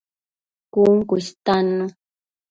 Cun cu istannu